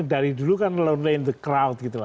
dari dulu kan lone in the crowd gitu